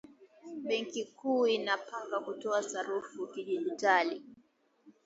Benki kuu inapanga kutoa sarafu ya kidigitali